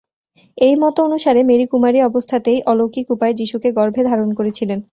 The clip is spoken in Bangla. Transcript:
এই মত অনুসারে, মেরি কুমারী অবস্থাতেই অলৌকিক উপায়ে যিশুকে গর্ভে ধারণ করেছিলেন।